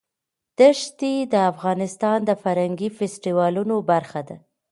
دښتې د افغانستان د فرهنګي فستیوالونو برخه ده.